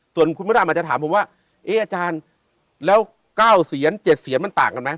ส่วนคุณพุทธอาจารย์อาจจะถามผมว่าเอ๊ออาจารย์แล้วเก้าเซียนเจ็ดเซียนมันต่างกันมั้ย